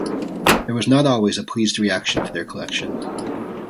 There was not always a pleased reaction to their collection.